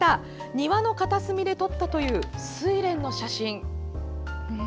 庭の片隅で撮ったというスイレンの写真。